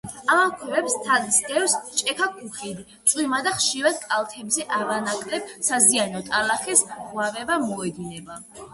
ამოფრქვევებს თან სდევს ჭექა-ქუხილი, წვიმა და ხშირად კალთებზე არანაკლებ საზიანო ტალახის ღვარები მოედინება.